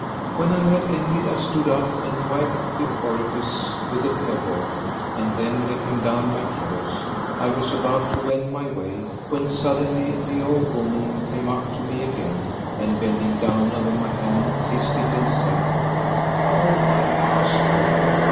[FN#524] When I had ended I stood up and wiped the orifice with a pebble and then, letting down my clothes, I was about to wend my way, when suddenly the old woman came up to me again and, bending down over my hand, kissed it and said, "O my master!